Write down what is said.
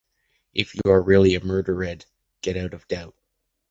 If you are really a murdered, get out of doubt.